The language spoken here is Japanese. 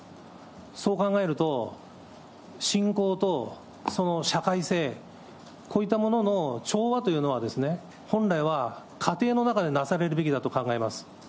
そう考えると、信仰と社会性、こういったものの調和というのは、本来は家庭の中でなされるべきだと考えます。